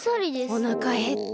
おなかへった。